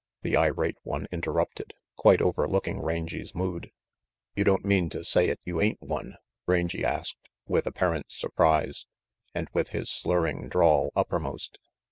the irate one interrupted, quite overlooking Rangy 's mood. "You don't mean to say 'at you ain't one," Rangy asked, with apparent surprise, and with his slurring drawl uppermost.